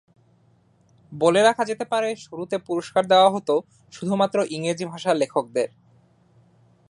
বলে রাখা যেতে পারে, শুরুতে পুরস্কার দেওয়া হতো শুধুমাত্র ইংরেজি ভাষার লেখকদের।